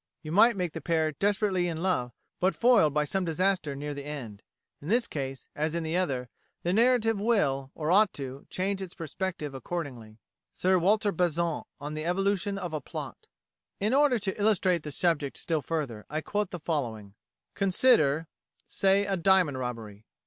You might make the pair desperately in love, but foiled by some disaster near the end. In this case, as in the other, the narrative will, or ought to, change its perspective accordingly. Sir Walter Besant on the Evolution of a Plot In order to illustrate the subject still further, I quote the following: "Consider say, a diamond robbery.